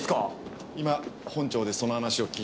今本庁でその話を聞いてきました。